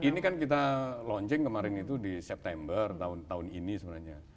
jadi ini kan kita launching kemarin itu di september tahun ini sebenarnya